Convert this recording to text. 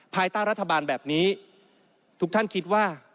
ภายใต้รัฐบาลแบบนี้ทุกท่านคิดว่า